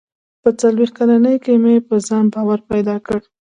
• په څلوېښت کلنۍ کې مې په ځان باور پیدا کړ.